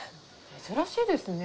珍しいですね。